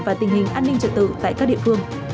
và tình hình an ninh trật tự tại các địa phương